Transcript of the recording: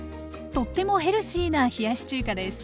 とってもヘルシーな冷やし中華です。